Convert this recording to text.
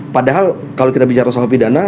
padahal kalau kita bicara soal pidana